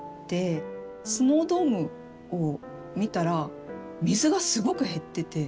スノードームを見たら水がすごく減ってて。